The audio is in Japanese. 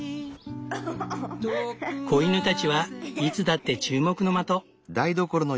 子犬たちはいつだって注目の的。